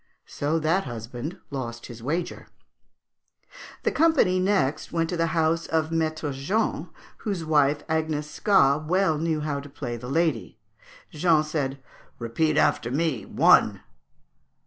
So that husband lost his wager. "The company next went to the house of Maître Jean, whose wife, Agnescat well knew how to play the lady. Jean said, 'Repeat after me, one!'